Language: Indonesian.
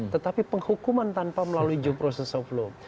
tetapi penghukuman tanpa melalui jom proses of law